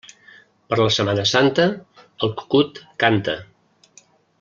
Per la Setmana Santa, el cucut canta.